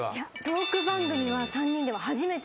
トーク番組は３人では初めてです。